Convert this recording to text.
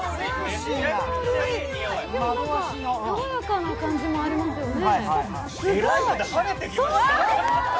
でも爽やかな感じもありますね。